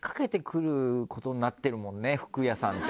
服屋さんって。